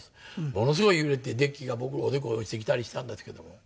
ものすごい揺れて電気が僕のおでこに落ちてきたりしたんですけども。